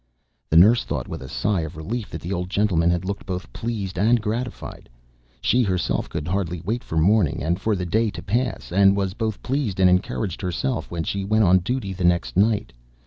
The nurse thought with a sigh of relief that the old gentleman had looked both pleased and gratified. She herself could hardly wait for morning, and for the day to pass, and was both pleased and encouraged herself when she went on duty the next night.